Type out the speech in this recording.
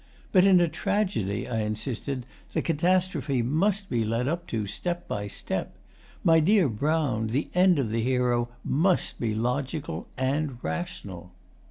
'But in a tragedy,' I insisted, 'the catastrophe MUST be led up to, step by step. My dear Brown, the end of the hero MUST be logical and rational.